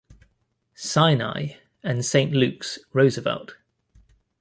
Sinai, and Saint Luke's-Roosevelt.